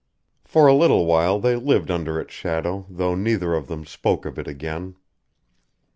For a little while they lived under its shadow though neither of them spoke of it again.